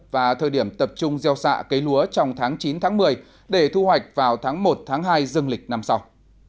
và thời điểm tập trung gieo xạ cấy lúa trong tháng chín tháng một mươi để thu hoạch vào tháng một hai dương lịch năm sau